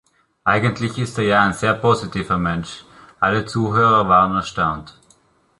Eigentlich ist er ja ein sehr positiver Mensch, alle Zuhörer waren erstaunt.